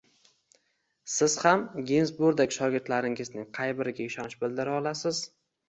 Siz ham Ginzburgdek shogirdlaringizning qay biriga ishonch bildira olasiz?